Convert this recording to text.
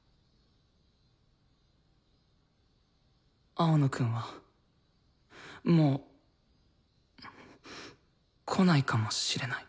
青野くんはもう来ないかもしれない。